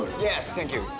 サンキュー！